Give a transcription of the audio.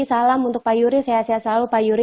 salam untuk pak yuri sehat sehat selalu pak yuri